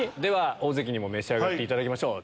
大関にも召し上がっていただきましょう。